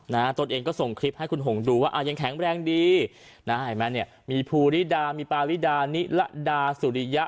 ตัวเองก็ส่งคลิปให้คุณหงษ์ดูว่ายังแข็งแรงดีมีภูริดามีปาริดานิละดาสุริยะ